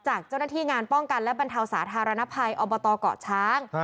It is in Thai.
จากเจ้าหน้าที่งานป้องกันและบรรเทาสาธารณภัยอบตเกาะช้าง